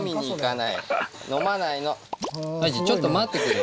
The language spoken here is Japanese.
たいちちょっと待ってくれる？